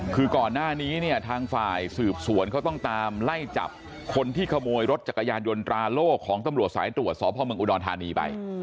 คือก่อนหน้านี้เนี่ยทางฝ่ายสืบสวนเขาต้องตามไล่จับคนที่ขโมยรถจักรยานยนต์ตราโล่ของตำรวจสายตรวจสพเมืองอุดรธานีไป